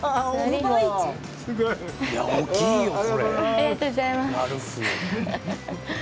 ありがとうございます。